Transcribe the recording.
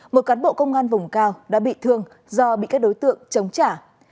một cán bộ công an vùng cao đã bị thương do bị các đối tượng chống trả